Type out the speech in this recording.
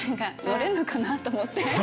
乗れるのかなと思って。